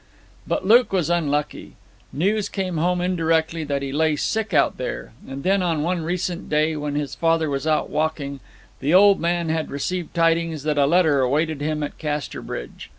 But Luke was unlucky. News came home indirectly that he lay sick out there; and then on one recent day when his father was out walking, the old man had received tidings that a letter awaited him at Casterbridge.